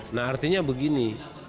nah artinya begini